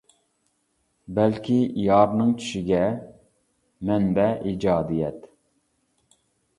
بەلكى يارنىڭ چۈشىگە. مەنبە : ئىجادىيەت.